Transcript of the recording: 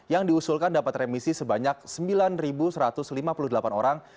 yang diusulkan dapat remisi sebanyak sembilan satu ratus lima puluh delapan orang